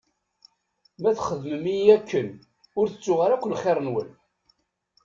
Ma txedmem-iyi akken, ur tettuɣ ara akk lxir-nwen.